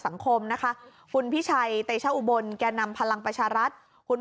สังคมนะคะคุณพิชัยเตชอุบลแก่นำพลังประชารัฐคุณ